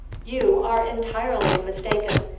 "You are entirely mistaken.